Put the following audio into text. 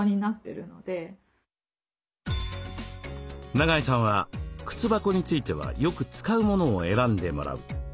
永井さんは靴箱についてはよく使うものを選んでもらう。